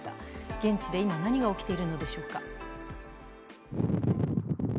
現地で今、何が起きているのでしょうか。